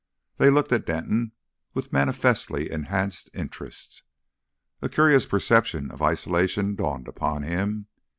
They looked at Denton with manifestly enhanced interest. A curious perception of isolation dawned upon him.